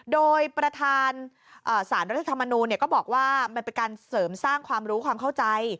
โดยประธานสารรัฐธรรมนูลก็บอกว่ามันเป็นการเสริมสร้างความรู้ความเข้าใจ